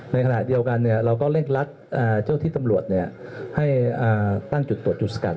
ในขณะเดียวกันเราก็เร่งรัดเจ้าที่ตำรวจให้ตั้งจุดตรวจจุดสกัด